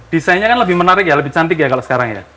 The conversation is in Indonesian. desainnya kan lebih menarik ya lebih cantik ya kalau sekarang ya